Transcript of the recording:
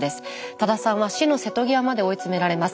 多田さんは死の瀬戸際まで追い詰められます。